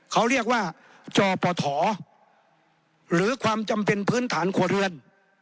เขาเรียกว่าจอปถหรือความจำเป็นพื้นฐานครัวเรือน